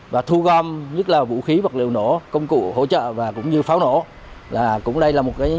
và thu gom vũ khí vật lý